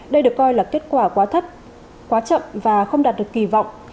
đây được coi là kết quả quá thấp quá chậm và không đạt được kỳ vọng